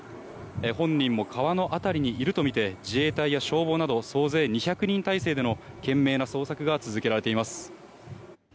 本人も川の辺りにいるとみて自衛隊や消防など総勢２００人態勢での懸命な捜索が続けられています。